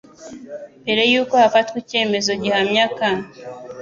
mbere y uko hafatwa icyemezo gihamya k